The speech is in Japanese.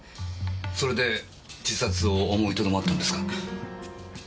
それで自殺を思い止まったんですか？